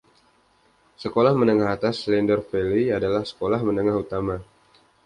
Sekolah Menengah Atas Lander Valley adalah sekolah menengah utama.